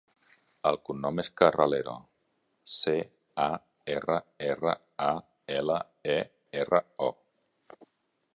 El cognom és Carralero: ce, a, erra, erra, a, ela, e, erra, o.